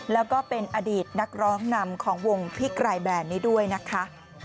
แล้วก็เป็นอดีตนักร้องนำของวงพี่ไกรแบรนด์นี้ด้วยนะคะ